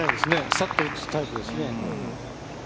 さっと打つタイプですね。